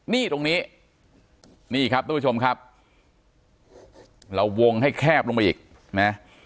นี่ตรงนี้นี่ครับทุกผู้ชมครับเราวงให้แคบลงไปอีกนะ